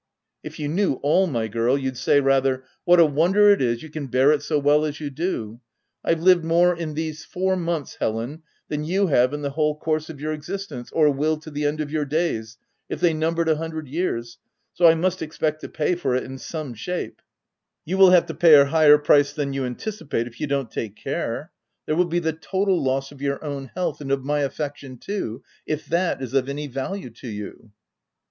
" If you knew all, my girl, you'd say rather, ' What a wonder it is you can bear it so well as you do .' I've lived more in these four months, Helen, than you have in the whole course of your existence, or will to the end of your days, if they numbered a hundred years ;— so I must expect to pay for it in some shape,'' ft You will have to pay a higher price tha you anticipate, if you don't take care — there will be the total loss of your own health, and of my affection too — if that is of any value to you."